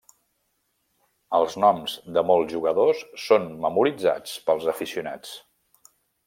Els noms de molts jugadors són memoritzats pels aficionats.